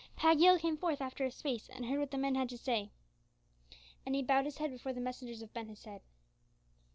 Pagiel came forth after a space and heard what the men had to say. And he bowed his head before the messengers of Ben Hesed.